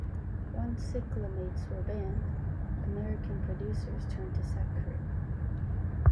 Once cyclamates were banned, American producers turned to saccharin.